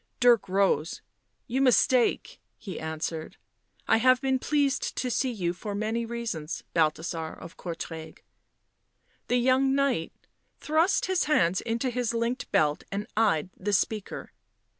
Dirk rose. " You mistake," he answered. " I have been pleased to see you for many reasons, Balthasar of Courtrai." The young Knight thrust his hands into his linked belt and eyed the speaker.